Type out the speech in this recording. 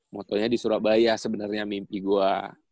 motonya di surabaya sebenarnya mimpi gua